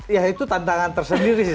ya itu tantangan tersendiri sih